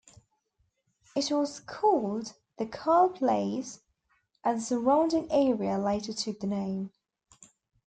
It was called the "Carle Place", and the surrounding area later took the name.